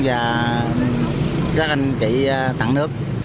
và các anh chị tặng nước